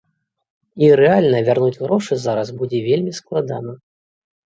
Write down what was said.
І рэальна вярнуць грошы зараз будзе вельмі складана.